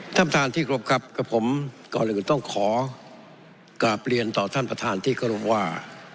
ท่านประธานที่กรบครับกับผมก่อนอื่นต้องขอกลับเรียนต่อท่านประธานที่กรงว่า